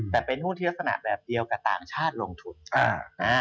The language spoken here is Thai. แต่เป็นหุ้นที่ลักษณะแบบเดียวกับต่างชาติลงทุน